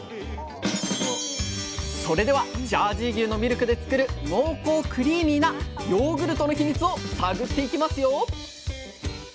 それではジャージー牛のミルクで作る濃厚クリーミーなヨーグルトのヒミツを探っていきますよ！